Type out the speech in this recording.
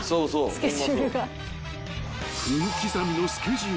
スケジュールが。